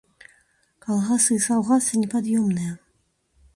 Калгасы і саўгасы непад'ёмныя.